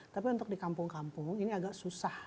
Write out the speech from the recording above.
tapi untuk di kampung kampung ini agak susah